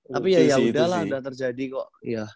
tapi ya yaudah lah udah terjadi kok